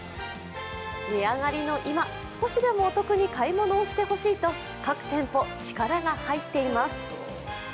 値上がりの今、少しでもお得に買い物をしてほしいと各店舗、力が入っています。